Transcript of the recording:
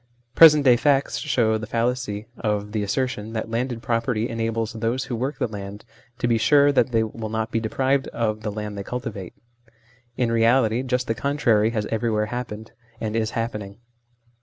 Present day facts show the fallacy of the asser tion that landed property enables those who work the land to be sure that they will not be deprived of the land they cultivate. In reality just the contrary has everywhere happened, and is happening.